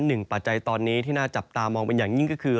ปัจจัยตอนนี้ที่น่าจับตามองเป็นอย่างยิ่งก็คือ